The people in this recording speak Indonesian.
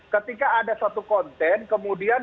ketika ada satu konten kemudian